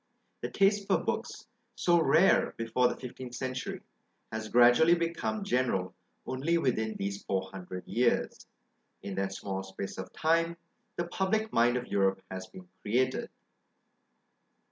The taste for books, so rare before the fifteenth century, has gradually become general only within these four hundred years: in that small space of time the public mind of Europe has been created.